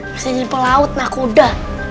bisa di pelaut nakuda